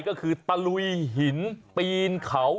ก็คือตะลุยหินปีนเขา